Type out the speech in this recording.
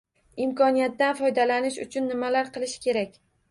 Imkoniyatdan foydalanish uchun nimalar qilish kerak?